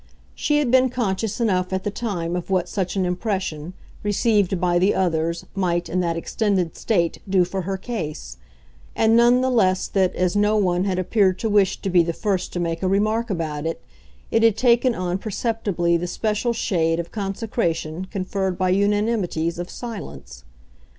She had been conscious enough at the time of what such an impression, received by the others, might, in that extended state, do for her case; and none the less that, as no one had appeared to wish to be the first to make a remark about it, it had taken on perceptibly the special shade of consecration conferred by unanimities of silence.